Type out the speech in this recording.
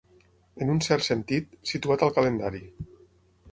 En un cert sentit, situat al calendari.